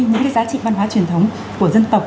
những cái giá trị văn hóa truyền thống của dân tộc